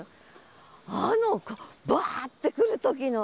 あのバーッてくる時の。